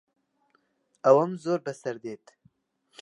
ئەوەم زۆر بەسەر دێت.